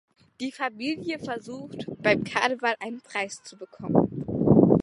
Die Familie versucht, beim Karneval einen Preis zu bekommen.